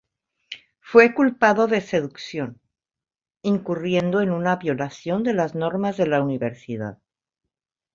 Fue culpado de "seducción", incurriendo en una violación de las normas de la universidad.